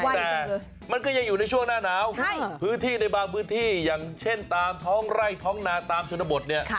แต่มันก็ยังอยู่ในช่วงหน้าหนาวพื้นที่ในบางพื้นที่อย่างเช่นตามท้องไร่ท้องนาตามชนบทเนี่ย